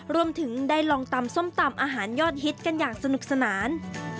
รวมถึงได้ลองตำส้มตำอาหารยอดฮิตกันอย่างสนุกสนาน